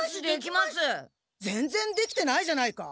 ぜんぜんできてないじゃないか。